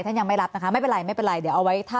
ท่านยังไม่รับนะคะไม่เป็นไรเดี๋ยวเอาไว้